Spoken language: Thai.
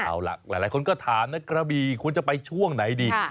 เอาล่ะหลายคนก็ถามนะกระบีควรจะไปช่วงไหนดี